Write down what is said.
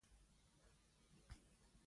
چې یو ډول وي نو د اختلاف ظرفیت له کومه شي.